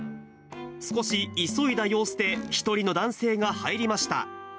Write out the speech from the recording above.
少し急いだ様子で、１人の男性が入りました。